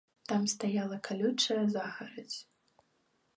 Там стаяла калючая загарадзь.